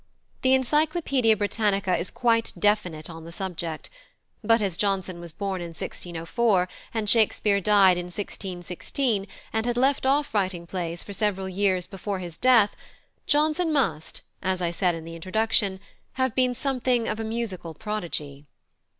The Encyclopædia Britannica is quite definite on the subject; but as Johnson was born in 1604, and Shakespeare died in 1616, and had left off writing plays for several years before his death, Johnson must, as I said in the Introduction, have been something of a musical prodigy.